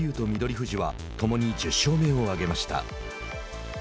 富士はともに１０勝目を挙げました。